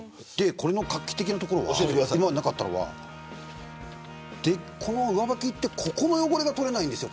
これの画期的なところは上履きってここの汚れが取れないんですよ